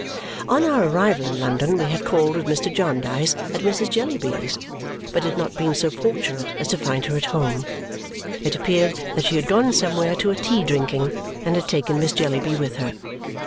On our arrival in London, we had called with Mr. Jarndyce at Mrs. Jellyby's but had not been so fortunate as to find her at home. It appeared that she had gone somewhere to a tea drinking and had taken Miss Jellyby with her.